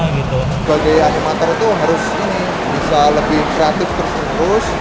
sebagai anomator itu harus bisa lebih kreatif terus menerus